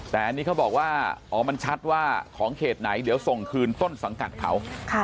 แต่อันนี้เขาบอกว่าอ๋อมันชัดว่าของเขตไหนเดี๋ยวส่งคืนต้นสังกัดเขา